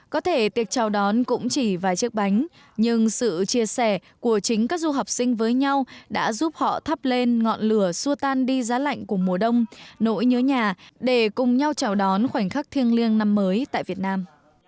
có thể tiệc chào đón cũng chỉ vài chiếc bánh nhưng sự chia sẻ của chính các du học sinh với nhau đã giúp họ thắp lên ngọn lửa xua tan đi giá lạnh của mùa đông nỗi nhớ nhà để cùng nhau chào đón khoảnh khắc thiêng liêng năm mới tại việt nam